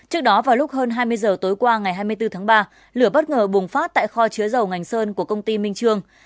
trước đó vào lúc hơn hai mươi giờ tối qua ngày hai mươi bốn tháng ba lửa bất ngờ bùng phát tại kho chứa dầu ngành sơn của công ty minh trương